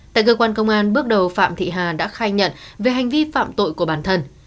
tại cơ quan công an bước đầu phạm thị hà đã khai nhận về hành vi phạm tội của bản thân